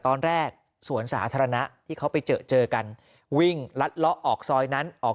ตอนแรกสวนสาธารณะที่เขาไปเจอเจอกันวิ่งลัดเลาะออกซอยนั้นออก